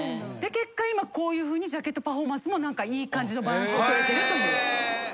結果今こういうふうにジャケットパフォーマンスもいい感じのバランスを取れてるという。